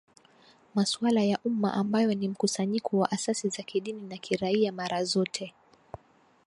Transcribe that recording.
masuala ya umma ambayo ni mkusanyiko wa asasi za kidini na kiraiaMara zote